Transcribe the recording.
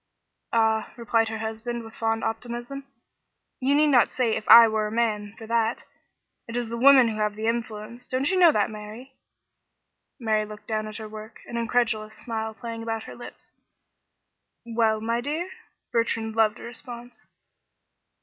"Ah," replied her husband, with fond optimism, "you need not say 'If I were a man,' for that. It is the women who have the influence; don't you know that, Mary?" Mary looked down at her work, an incredulous smile playing about her lips. "Well, my dear?" Bertrand loved a response.